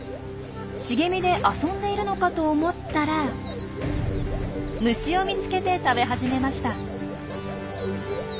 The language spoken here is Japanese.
茂みで遊んでいるのかと思ったら虫を見つけて食べ始めました。